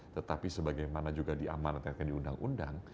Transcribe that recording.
tetapi sebagaimana juga diamanatkan di undang undang